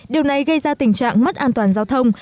điều này gây ra tình trạng mất an toàn giao thông